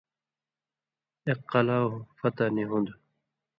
اېک قلاہوۡ فتح نی ہُون٘دوۡ